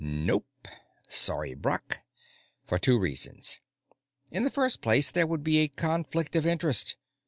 "Nope. Sorry, Brock. For two reasons. In the first place, there would be a conflict of interest.